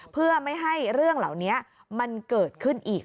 เพื่อไม่ให้เรื่องเหล่านี้มันเกิดขึ้นอีก